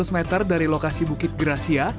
seratus meter dari lokasi bukit gracia